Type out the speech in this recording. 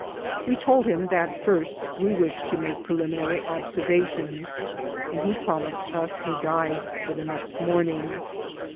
"We told him that first we wished to make preliminary observations, and he promised us a guide for the next morning.